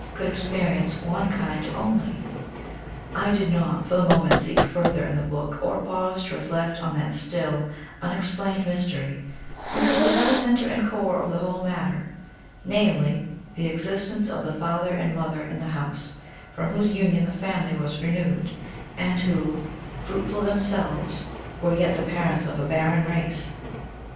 could experience one kind only. I did not, for the moment, seek further in the book, or pause to reflect on that still unexplained mystery, which was the very center and core of the whole mater, namely, the existence of the father and mother in the house, from whose union the family was renewed, and who, fruitful themselves, were yet the parents of a barren race.